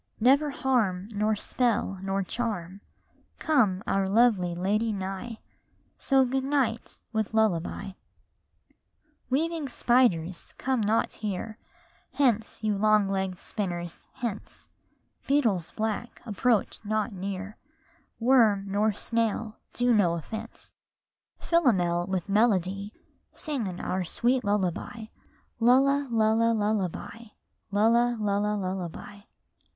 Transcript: Never harm, nor spell, nor charm, Come our lovely lady nigh ! So good night, with lullaby. Second Fairy Weaving spiders, come not here; Hence, you long legg'd spinners, hence; Beetles black, approach not near; Worm, nor snail, do no offence. Chorus Philomel with melody Sing in our sweet lullaby; [781 RAINBOW GOLD Lulla, lulla, lullaby; lulla, lulla, lullaby!